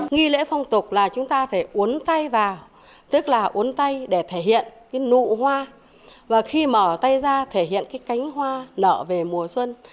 nghi lễ phong tục là chúng ta phải uốn tay vào tức là uốn tay để thể hiện cái nụ hoa và khi mở tay ra thể hiện cái cánh hoa nở về mùa xuân